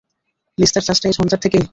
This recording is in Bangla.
নিস্তার চাস না এই ঝঞ্ঝাট থেকে?